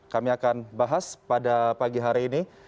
kami akan bahas pada pagi hari ini